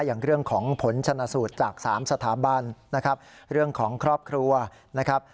อย่างเรื่องของผลชนะสูตรจาก๓สถาบันนะครับเรื่องของครอบครัวนะครับ